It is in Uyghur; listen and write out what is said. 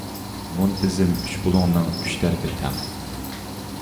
مۇنتىزىم ئۈچ بۇلۇڭنىڭ ئۈچ تەرىپى تەڭ.